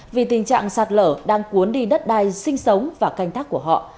vì tình trạng sạt lở đang cuốn đi đất đai sinh sống và canh tác của họ